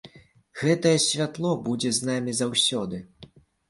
Гэтае святло будзе з намі заўсёды.